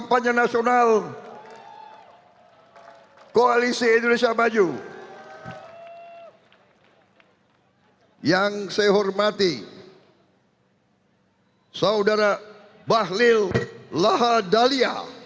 setelah ini saya mengur makan depan bersama mbak lesci